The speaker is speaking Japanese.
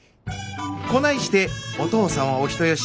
こないして「お父さんはお人好し」